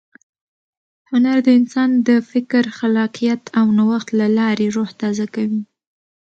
هنر د انسان د فکر، خلاقیت او نوښت له لارې روح تازه کوي.